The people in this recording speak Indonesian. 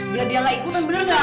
biar dia lah ikutan bener nggak